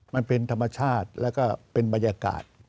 มันเป็นธรรมชาติแล้วก็เป็นบรรยากาศ